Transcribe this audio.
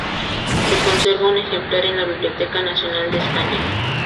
Se conserva un ejemplar en la Biblioteca Nacional de España.